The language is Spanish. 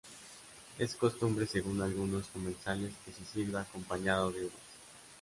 Es costumbre según algunos comensales que se sirva acompañado de uvas.